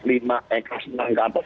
lima eh kelas menang ke atas